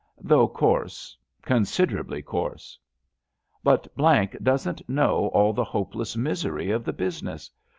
Though coarse — considerably coarse! But D doesn't know all the hopeless misery of the business.